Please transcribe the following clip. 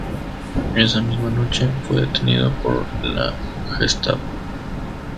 Esa misma noche, fue detenido por la Gestapo.